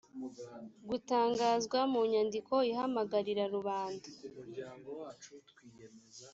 gutangazwa mu nyandiko ihamagarira rubanda